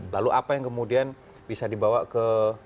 lalu apa yang kemudian bisa dibawa ke